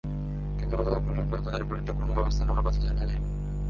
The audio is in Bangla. কিন্তু গতকাল পর্যন্ত তাঁদের বিরুদ্ধে কোনো ব্যবস্থা নেওয়ার কথা জানা যায়নি।